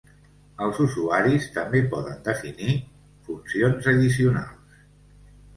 Els usuaris també poden definir funcions addicionals.